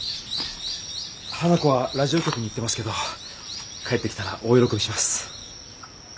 花子はラジオ局に行ってますけど帰ってきたら大喜びします。